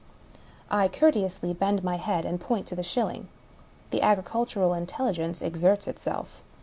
I courteously bend my head, and point to the shilling. The agricultural intelligence exerts itself.